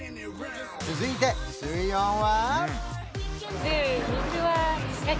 続いて水温は？